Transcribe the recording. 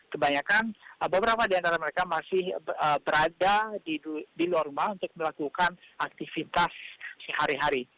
kebanyakan beberapa di antara mereka masih berada di luar rumah untuk melakukan aktivitas sehari hari